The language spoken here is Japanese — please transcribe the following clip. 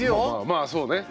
まあそうね。